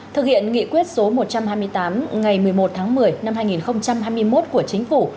thực hiện nghị quyết số một trăm hai mươi tám ngày một mươi một tháng một mươi năm hai nghìn hai mươi một của chính phủ